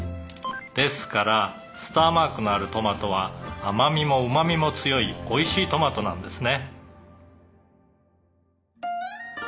「ですからスターマークのあるトマトは甘みもうまみも強いおいしいトマトなんですね」